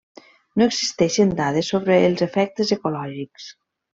No existeixen dades sobre els efectes ecològics.